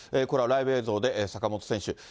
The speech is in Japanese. これはライブ映像で、坂本選手。